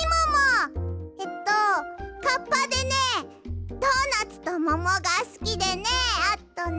えっとカッパでねドーナツとももがすきでねあとね。